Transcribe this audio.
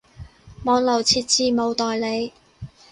網路設置冇代理